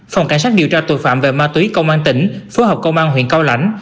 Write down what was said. phòng cảnh sát điều tra tội phạm về ma túy công an tỉnh phối hợp công an huyện cao lãnh